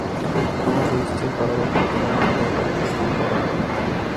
আমাকে স্থির করো, রক্ষা করো, আমার হৃদয় পরিপূর্ণ করো।